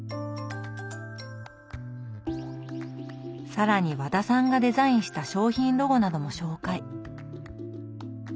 更に和田さんがデザインした商品ロゴなども紹介。